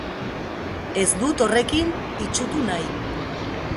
Ez dut horrekin itsutu nahi.